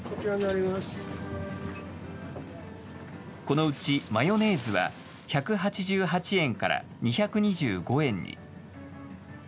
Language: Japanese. このうちマヨネーズは１８８円から２２５円に。